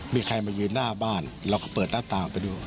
มีใครมายืนหน้าบ้านเราก็เปิดหน้าต่างไปดู